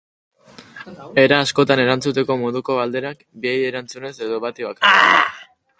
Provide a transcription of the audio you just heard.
Era askotan erantzuteko moduko galderak, biei erantzunez edo bati bakarrik.